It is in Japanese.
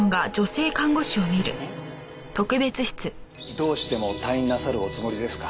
どうしても退院なさるおつもりですか？